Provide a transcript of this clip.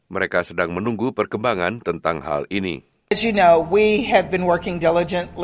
mereka sedang menunggu perkembangan tentang hal ini